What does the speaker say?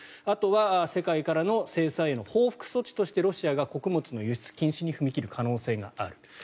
あとは世界からの制裁への報復措置としてロシアが穀物の輸出禁止に踏み切る可能性がある。